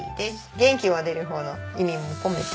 元気が出る方の意味も込めて。